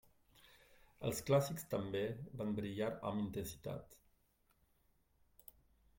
Els clàssics també van brillar amb intensitat.